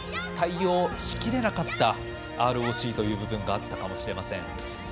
対応しきれなかったＲＯＣという部分があったかもしれません。